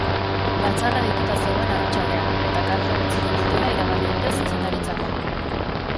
Batzarra deituta zegoen arratsaldean, eta kargua utziko dutela iragarri dute zuzendaritzakoek.